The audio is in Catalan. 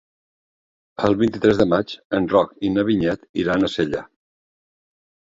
El vint-i-tres de maig en Roc i na Vinyet iran a Sella.